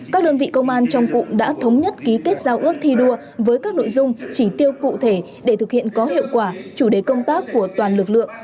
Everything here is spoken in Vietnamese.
các đơn vị công an trong cụm đã thống nhất ký kết giao ước thi đua với các nội dung chỉ tiêu cụ thể để thực hiện có hiệu quả chủ đề công tác của toàn lực lượng